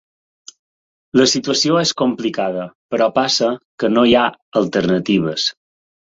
La situació és complicada, però passa que no hi ha alternatives.